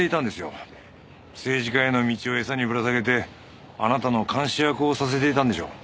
政治家への道をエサにぶら下げてあなたの監視役をさせていたんでしょう。